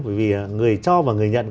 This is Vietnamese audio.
bởi vì người cho và người nhận